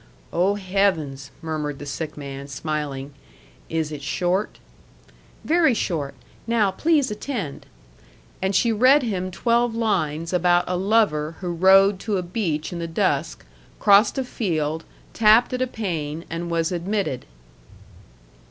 "Oh, Heavens!" murmured the sick man, smiling. "Is it short?" "Very short. Now please attend." And she read him twelve lines about a lover who rowed to a beach in the dusk, crossed a field, tapped at a pane, and was admitted.